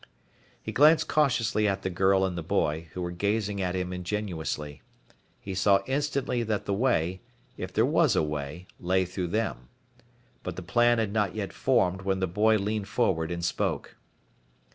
He glanced cautiously at the girl and the boy, who were gazing at him ingenuously. He saw instantly that the way, if there was a way, lay through them. But the plan had not yet formed when the boy leaned forward and spoke.